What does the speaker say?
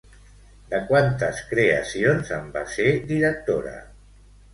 De quantes creacions en va ser directora?